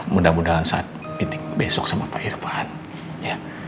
mudah mudahan saat meeting besok sama pak irvan ya